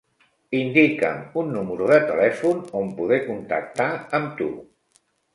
Indica'm un número de telèfon on poder contactar amb tu.